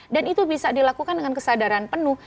dan itu bisa dilakukan dengan kesadaran penuh